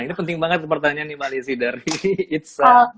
ini penting banget pertanyaan nih mbak lizzy dari itza